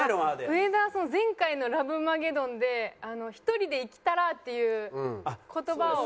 植田は前回のラブマゲドンで「１人で生きたらぁ！」っていう言葉を。